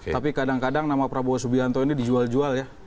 tapi kadang kadang nama prabowo subianto ini dijual jual ya